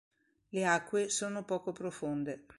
Le acque sono poco profonde.